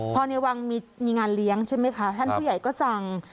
พอในวังมีงานเลี้ยงใช่ไหมคะท่านผู้ใหญ่ก็สั่ง